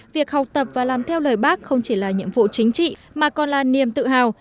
việc học tập và làm theo lời bác không chỉ là nhiệm vụ chính trị mà còn là niềm tự hào